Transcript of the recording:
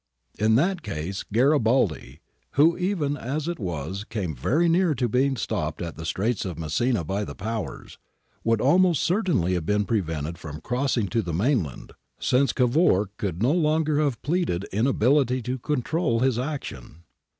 In that case Gari baldi, who even as it was came very near to being stopped at the Straits of Messina by the Powers, would most cer tainly have been prevented from crossing to the mainland, since Cavour could no longer have pleaded inability to control his action.